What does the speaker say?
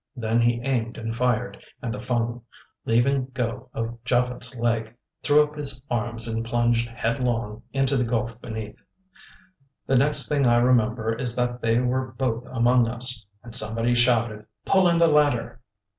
Then he aimed and fired, and the Fung, leaving go of Japhet's leg, threw up his arms and plunged headlong into the gulf beneath. The next thing I remember is that they were both among us, and somebody shouted, "Pull in the ladder."